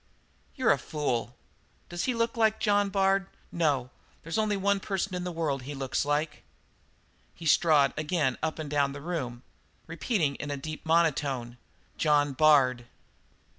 "You're a fool! Does he look like John Bard? No, there's only one person in the world he looks like." He strode again up and down the room, repeating in a deep monotone: "John Bard!"